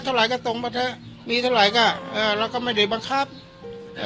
เท่าไรก็ส่งมาเถอะมีเท่าไรก็เออแล้วก็ไม่ได้บังคับเออ